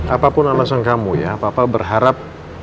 apapun alasan kamu ya papa berharap